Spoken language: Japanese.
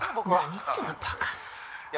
何言ってんだバカ。